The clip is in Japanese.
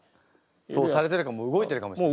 そうされてるかも動いてるかもしれない。